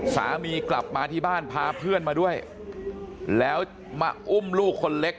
สามีกลับมาที่บ้านพาเพื่อนมาด้วยแล้วมาอุ้มลูกคนเล็ก